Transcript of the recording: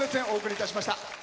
お送りいたしました。